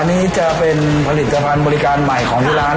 อันนี้จะเป็นผลิตภัณฑ์บริการใหม่ของที่ร้าน